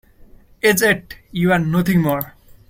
As yet, you are nothing more.